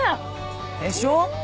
でしょ？